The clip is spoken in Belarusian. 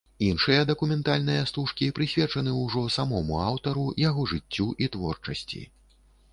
Іншыя дакументальныя стужкі прысвечаны ўжо самому аўтару, яго жыццю і творчасці.